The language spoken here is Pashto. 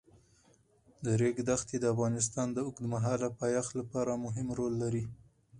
د ریګ دښتې د افغانستان د اوږدمهاله پایښت لپاره مهم رول لري.